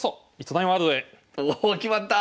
おお決まった！